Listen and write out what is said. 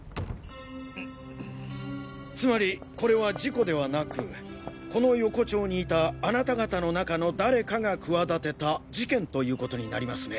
つまりこれは事故ではなくこの横丁にいたあなた方の中の誰かが企てた事件ということになりますね。